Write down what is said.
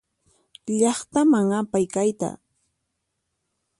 Llaqtaman apay kayta.